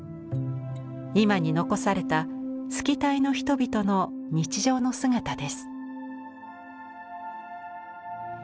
今に残されたスキタイの人々の日常の姿です。